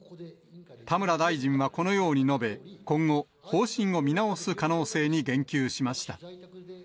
田村大臣はこのように述べ、今後、方針を見直す可能性に言及しました。